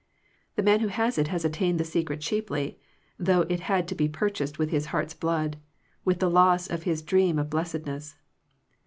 The man who has it has attained the secret cheaply, though it had to be purchased with his heart's blood, with the loss of his dream of blessedness.